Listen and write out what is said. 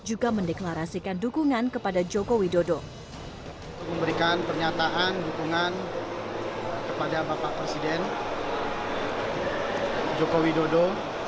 juga mendeklarasikan dukungan kepada jokowi dodo